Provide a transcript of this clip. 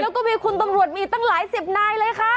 แล้วก็มีคุณตำรวจมีตั้งหลายสิบนายเลยค่ะ